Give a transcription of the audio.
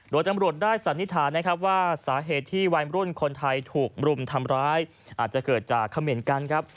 โดยตำรวจได้สันนิษฐานนะครับว่าสาเหตุที่วัยมรุ่นคนไทยถูกรุมทำร้ายอาจจะเกิดจากเขม่นกันครับ